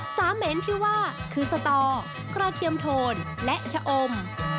สามเหม็นที่ว่าคือสตอกระเทียมโทนและชะอม